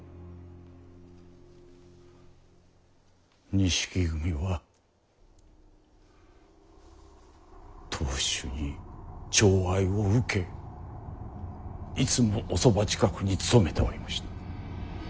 錦組は当主に寵愛を受けいつもおそば近くにつとめておりました。